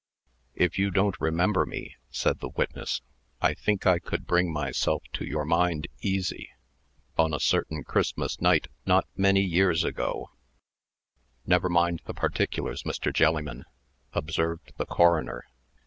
"If you don't remember me," said the witness, "I think I could bring myself to your mind easy. On a certain Christmas night, not many years ago " "Never mind the particulars, Mr. Jelliman," observed the coroner.